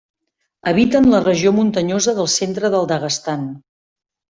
Habiten la regió muntanyosa del centre del Daguestan.